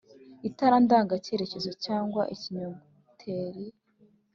Itara ndangacyerekezoCg ikinnyoteri,